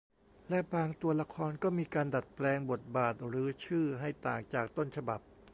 และบางตัวละครก็มีการดัดแปลงบทบาทหรือชื่อให้ต่างจากต้นฉบับ